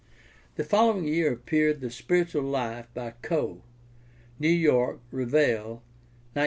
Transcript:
The following year appeared The Spiritual Life by Coe (New York: Revell, 1900).